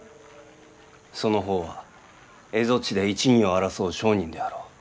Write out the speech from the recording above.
そのほうは蝦夷地で一二を争う商人であろう。